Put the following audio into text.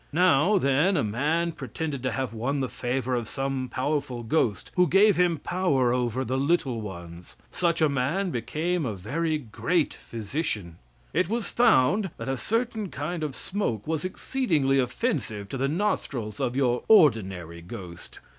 Now, then, a man pretended to have won the favor of some powerful ghost who gave him power over the little ones. Such a man became a very great physician. It was found that a certain kind of smoke was exceedingly offensive to the nostrils of your ordinary ghost.